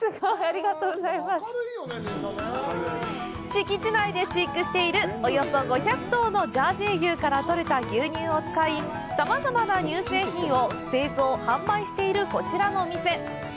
敷地内で飼育している、およそ５００頭のジャージー牛からとれた牛乳を使いさまざまな乳製品を製造販売しているこちらのお店。